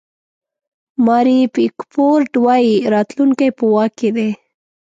ماري پیکفورډ وایي راتلونکی په واک کې دی.